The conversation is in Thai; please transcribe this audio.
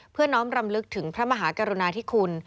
เพื่อน้องรำลึกถึงพระมหากรุณาที่คุณ